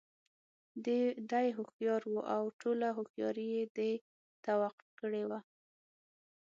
دى هوښيار وو او ټوله هوښياري یې دې ته وقف کړې وه.